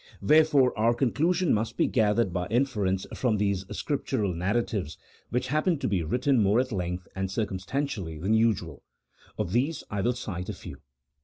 "Wherefore our conclusion must be gathered by inference from those Scriptural narratives which happen to be written more at length and circumstantially than usual. Of these I will cite a few.